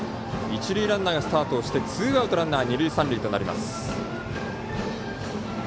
一塁ランナーがスタートしてツーアウト、ランナー、二塁三塁。